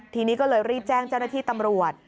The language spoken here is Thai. ทีนี้ก็เลยรีบแจ้งเจ้าหน้าที่ตำรวจ